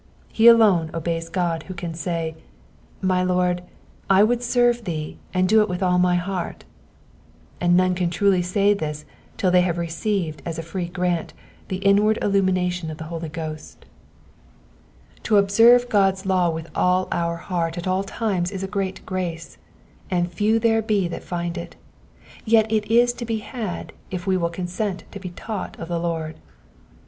He alone obeys God who can say, My Lord, I would serve thee, and do it with all my heart "; and none can truly say this till they have received as a free grant the inward illununation of the Holy Ghost. To observe God's Digitized by VjOOQIC 94 EXPOSITIOXS OF THE PSALMS. law vritli all our heart at all times is a great grace, and few there be that find it ; yet it is to be had if we will consent to be taught of the Lord.